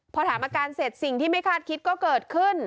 พอถามอาการเสร็จสิ่งที่ไม่คาดคิดก็เกิดขึ้น